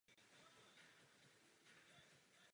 Nesmíme opakovat dřívější omyly.